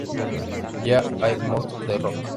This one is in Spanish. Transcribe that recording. Yeah, I move the rock.